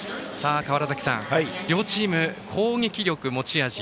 川原崎さん、両チーム攻撃力が持ち味。